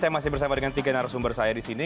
saya masih bersama dengan tiga narasumber saya di sini